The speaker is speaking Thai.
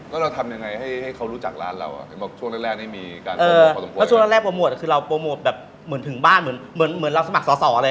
แล้วเราทำไงให้เขารู้จักร้านเราอะชั่วแรกนี้มีการโปรโมท์ความสมควรอย่างไร